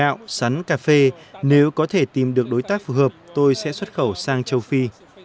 gạo sắn cà phê nếu có thể tìm được đối tác phù hợp tôi sẽ xuất khẩu sang châu phi